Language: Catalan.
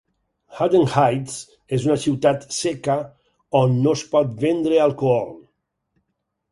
Haddon Heights és una ciutat "seca" on no es pot vendre alcohol.